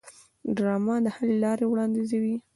ډرامه د حل لارې وړاندیزوي